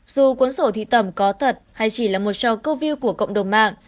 dù cuốn sổ thị tẩm có thật hay chỉ là một trò câu view của cộng đồng mạng